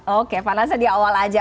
oke panasnya di awal aja